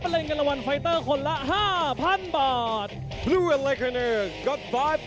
ไปเล่นกันละวันไฟเตอร์คนละ๕๐๐๐บาท